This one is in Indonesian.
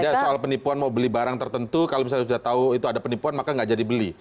ya soal penipuan mau beli barang tertentu kalau misalnya sudah tahu itu ada penipuan maka nggak jadi beli